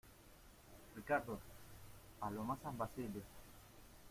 Ricardo... paloma San Basilio .